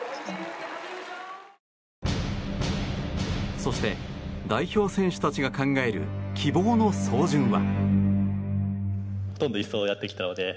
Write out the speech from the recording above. そして代表選手たちが考える希望の走順は。